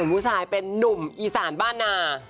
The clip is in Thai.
ผู้ชายเป็นนุ่มอีสานบ้านนา